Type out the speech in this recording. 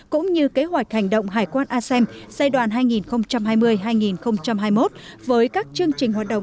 cũng như kế hoạch hành động hải quan asem giai đoạn hai nghìn hai mươi hai nghìn hai mươi một với các chương trình hoạt động